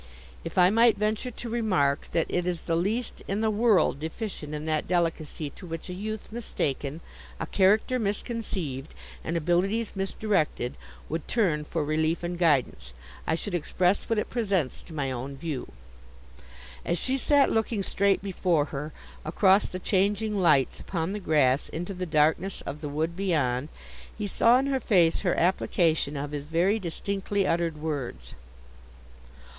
If I might venture to remark that it is the least in the world deficient in that delicacy to which a youth mistaken, a character misconceived, and abilities misdirected, would turn for relief and guidance, I should express what it presents to my own view.' As she sat looking straight before her, across the changing lights upon the grass into the darkness of the wood beyond, he saw in her face her application of his very distinctly uttered words.